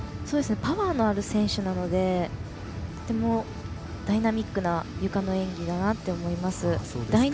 パワーのある選手なのでとてもダイナミックなゆかの演技だなと思います。